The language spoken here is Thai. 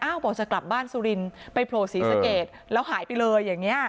บอกจะกลับบ้านสุรินไปโผล่ศรีสะเกดแล้วหายไปเลยอย่างนี้